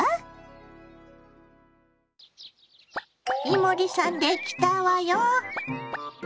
伊守さんできたわよ。